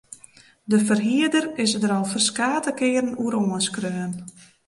De ferhierder is der al ferskate kearen oer oanskreaun.